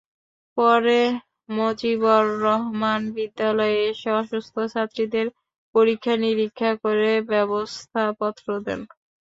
পরে মজিবর রহমান বিদ্যালয়ে এসে অসুস্থ ছাত্রীদের পরীক্ষা-নিরীক্ষা করে ব্যবস্থাপত্র দেন।